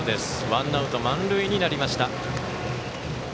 ワンアウト、満塁になりました。